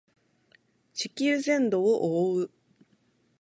地球全土を覆う